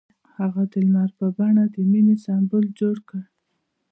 هغه د لمر په بڼه د مینې سمبول جوړ کړ.